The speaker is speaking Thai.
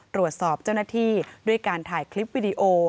เจ้าหน้าที่ด้วยการถ่ายคลิปวิดีโอ